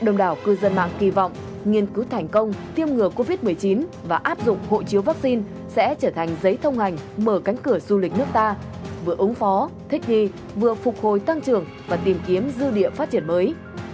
đông đảo cư dân mạng kỳ vọng nghiên cứu thành công tiêm ngừa covid một mươi chín và áp dụng hộ chiếu vaccine sẽ trở thành giấy thông hành mở cánh cửa du lịch nước ta vừa ứng phó thích nghi vừa phục hồi tăng trưởng và tìm kiếm dư địa phát triển mới